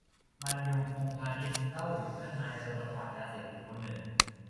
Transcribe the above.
บรรยง พงษ์พานิช เล่าถึงเพื่อนนายตำรวจปราบยาเสพติดคนหนึ่ง